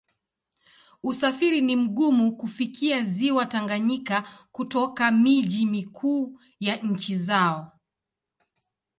Usafiri ni mgumu kufikia Ziwa Tanganyika kutoka miji mikuu ya nchi zao.